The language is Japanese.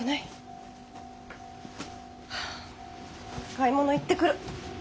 買い物行ってくる。